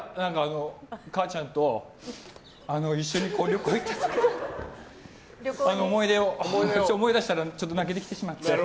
母ちゃんと一緒に旅行に行った思い出を思い出したら泣けてきてしまって。